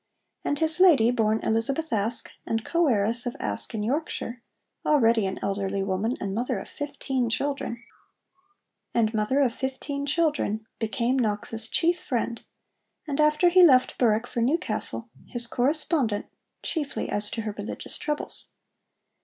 And his lady, born Elizabeth Aske, and co heiress of Aske in Yorkshire (already an elderly woman and mother of fifteen children), became Knox's chief friend, and after he left Berwick for Newcastle his correspondent, chiefly as to her religious troubles.